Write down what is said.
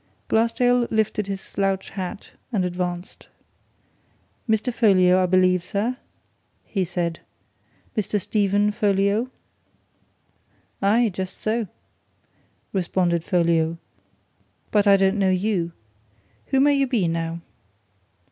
Glassdale lifted his slouch hat and advanced. "Mr. Folliot, I believe, sir?" he said. "Mr. Stephen Folliot?" "Aye, just so!" responded Folliot. "But I don't know you. Who may you be, now?"